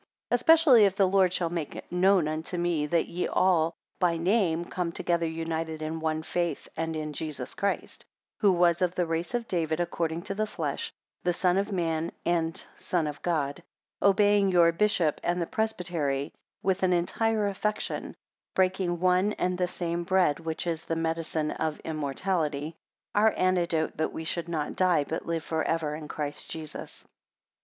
16 Especially if the Lord shall make known unto me, that ye all by name come together united in one faith, and in Jesus Christ; who was of the race of David according to the flesh; the Son of man, and son of God; obeying your bishop and the presbytery with an entire affection; breaking one and the same bread, which is the medicine of immortality; our antidote that we should not die, but live for ever in Christ Jesus.